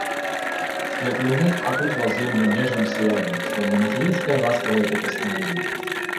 Свет луны окутывал землю нежным сиянием, словно материнское ласковое прикосновение.